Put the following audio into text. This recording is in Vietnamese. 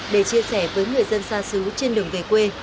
để chia sẻ với người dân xa xứ trên đường về quê